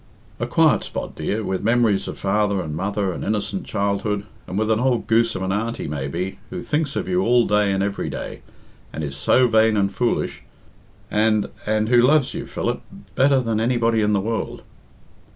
A quiet spot, dear, with memories of father and mother and innocent childhood and with an old goose of an auntie, maybe, who thinks of you all day and every day, and is so vain and foolish and and who loves you. Philip, better than anybody in the World."